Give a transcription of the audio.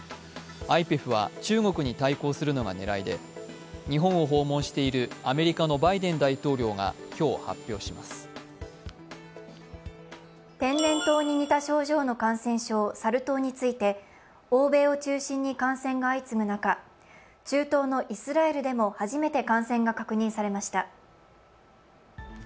ＩＰＥＦは中国に対抗するのが狙いで日本を訪問しているアメリカのバイデン大統領が今日、発表します天然痘に似た症状の感染症、サル痘について欧米を中心に感染が相次ぐ中、中東のイスラエルでも初めて感染が確認されました。